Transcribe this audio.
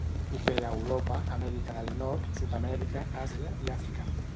Opera a Europa, Amèrica del Nord, Sud-amèrica, Àsia i Àfrica.